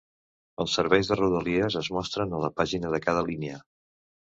Els serveis de rodalies es mostren a la pàgina de cada línia.